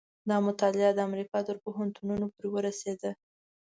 دا مطالعه د امریکا تر پوهنتونونو پورې ورسېده.